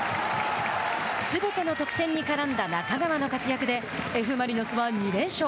すべての得点に絡んだ仲川の活躍でＦ・マリノスは２連勝。